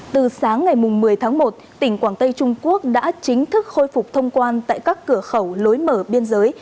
từ sáng ngày một mươi tháng một tỉnh quảng tây trung quốc đã chính thức khôi phục thông quan tại các cửa khẩu lối mở biên giới